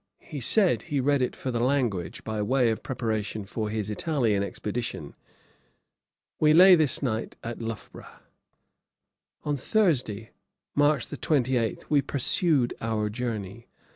He said, he read it for the language, by way of preparation for his Italian expedition. We lay this night at Loughborough. On Thursday, March 28, we pursued our journey.